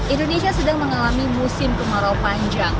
indonesia sedang mengalami musim kemarau panjang